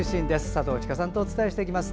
佐藤千佳さんとお伝えしていきます。